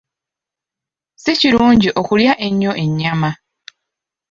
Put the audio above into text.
Si kirungi okulya ennyo ennyama.